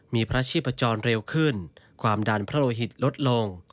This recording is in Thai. มีพระชีพจรเร็วขึ้นความดันพระโลหิตลดลง